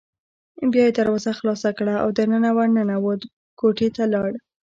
بیا یې دروازه خلاصه کړه او دننه ور ننوت، کوټې ته لاړ.